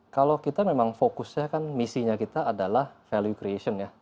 kalau kita memang fokusnya kan misinya kita adalah value creation ya